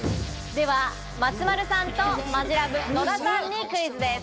では松丸さんと、マヂラブ・野田さんにクイズです。